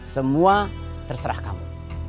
semua terserah kamu